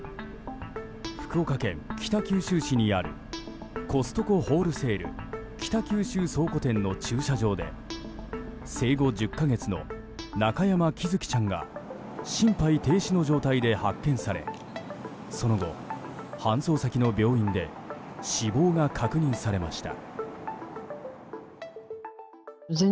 福岡県北九州市にあるコストコホールセール北九州倉庫店の駐車場で生後１０か月の中山喜寿生ちゃんが心肺停止の状態で発見されその後、搬送先の病院で死亡が確認されました。